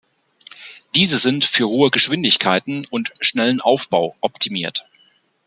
Diese sind für hohe Geschwindigkeiten und schnellen Aufbau optimiert.